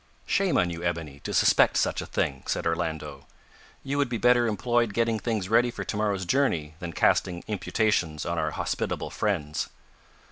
"Shame on you, Ebony, to suspect such a thing!" said Orlando. "You would be better employed getting things ready for to morrow's journey than casting imputations on our hospitable friends."